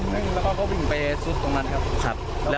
เพคงอะครับ